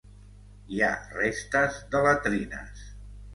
Hi ha restes de latrines.